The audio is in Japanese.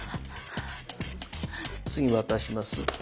次渡します。